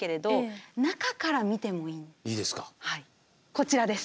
こちらです。